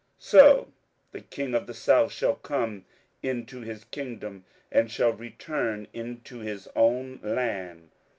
27:011:009 So the king of the south shall come into his kingdom, and shall return into his own land.